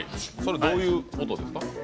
どういうことですか？